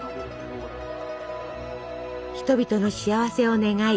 人々の幸せを願い